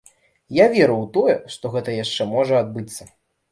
Я веру ў тое, што гэта яшчэ можа адбыцца.